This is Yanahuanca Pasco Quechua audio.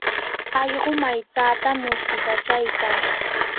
allqum aytsata muskiykachaykan.